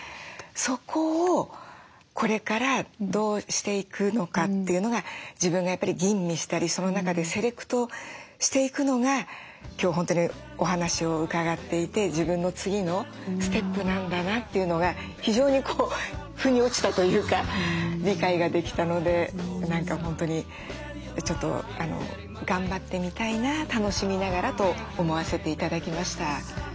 そこをこれからどうしていくのかというのが自分がやっぱり吟味したりその中でセレクトしていくのが今日本当にお話を伺っていて自分の次のステップなんだなというのが非常に腑に落ちたというか理解ができたので何か本当にちょっと頑張ってみたいな楽しみながらと思わせて頂きました。